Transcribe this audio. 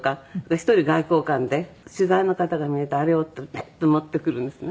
１人外交官で取材の方が見えると「あれを」ってパッと持ってくるんですね。